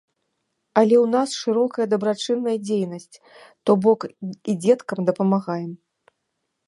Але ў нас шырокая дабрачынная дзейнасць, то бок і дзеткам дапамагаем.